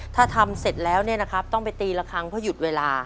ถ้าทำเสร็จแล้วเนี่ยนะครับต้องไปตีละครั้งเพราะหยุดเวลา